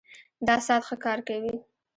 دا ساعت ښه کار کوي